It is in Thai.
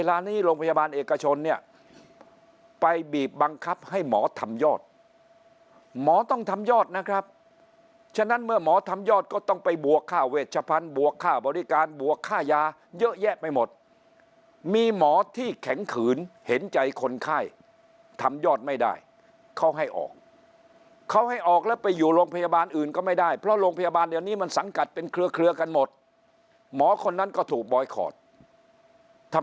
ร้านนี้โรงพยาบาลเอกชนเนี่ยไปบีบบังคับให้หมอทำยอดหมอต้องทำยอดนะครับฉะนั้นเมื่อหมอทำยอดก็ต้องไปบวกค่าเวชพันธุ์บวกค่าบริการบวกค่ายาเยอะแยะไปหมดมีหมอที่แข็งขืนเห็นใจคนไข้ทำยอดไม่ได้เขาให้ออกเขาให้ออกแล้วไปอยู่โรงพยาบาลอื่นก็ไม่ได้เพราะโรงพยาบาลเดี๋ยวนี้มันสังกัดเป็นเครือเครือกันหมดหมอคนนั้นก็ถูกบอยคอร์ดทำ